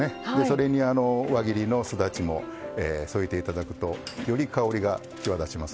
それに輪切りのすだちも添えて頂くとより香りが際立ちますね。